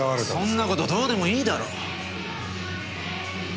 そんな事どうでもいいだろう。